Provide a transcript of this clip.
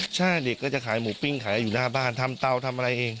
ใช่เด็กก็จะขายหมูปิ้งขายอยู่หน้าบ้านทำเตาทำอะไรเอง